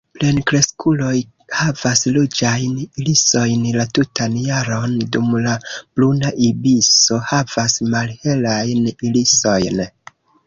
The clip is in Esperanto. Plenkreskuloj havas ruĝajn irisojn la tutan jaron, dum la Bruna ibiso havas malhelajn irisojn.